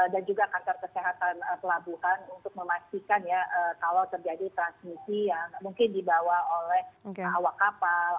dan juga kanser kesehatan pelabuhan untuk memastikan ya kalau terjadi transmisi yang mungkin dibawa oleh awak kapal